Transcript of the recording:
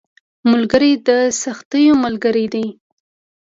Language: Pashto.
ملګری د سختیو ملګری دی